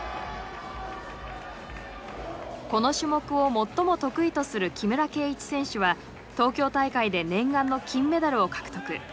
この種目を最も得意とする木村敬一選手は東京大会で念願の金メダルを獲得。